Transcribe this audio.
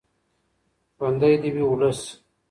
ژوندی دې وي ولس.